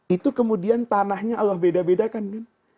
itu kemudian tanahnya allah beda bedakan kan